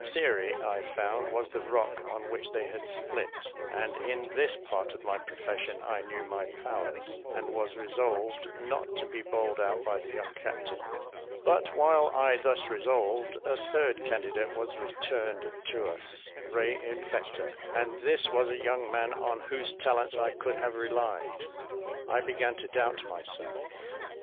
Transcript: Theory, I found, was the rock on which they had split; and in this part of my profession, I knew my powers, and was resolved not to be bowled out by the young captain. But while I thus resolved, a third candidate was returned to us re infecta; and this was a young man on whose talents I could have relied: I began to doubt myself.